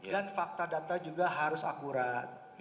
dan fakta data juga harus akurat